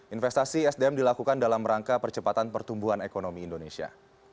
investasi sdm dilakukan dalam rangka percepatan pertumbuhan ekonomi indonesia